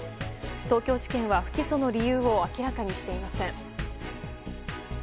東京地検は不起訴の理由を明らかにしていません。